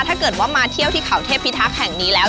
ถ้าเกิดว่ามาเที่ยวที่เขาเทพิทักษ์แห่งนี้แล้ว